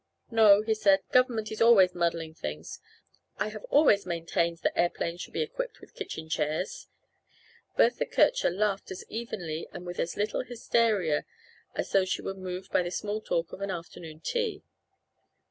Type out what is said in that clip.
"No," he said, "Government is always muddling things. I have always maintained that airplanes should be equipped with kitchen chairs." Bertha Kircher laughed as evenly and with as little hysteria as though she were moved by the small talk of an afternoon tea.